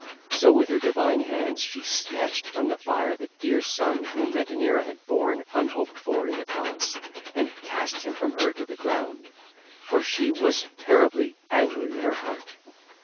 So with her divine hands she snatched from the fire the dear son whom Metaneira had born unhoped for in the palace, and cast him from her to the ground; for she was terribly angry in her heart.